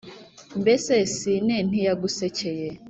Mbese Sine ntiyagusekeye